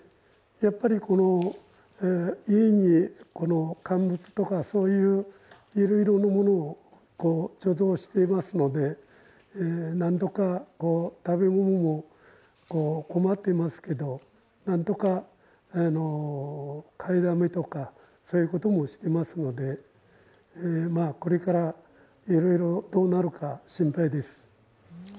やっぱりこの家に乾物とかいろいろなものを貯蔵していますので、食べ物も困ってますけど、なんとか買いだめとか、そういうこともしていますのでこれから、いろいろどうなるか心配です。